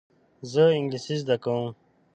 زه انګلیسي زده کوم.